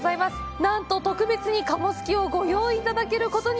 なんと特別に鴨すきをご用意いただけることに！